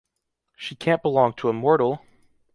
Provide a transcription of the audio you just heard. She can’t belong to a mortal!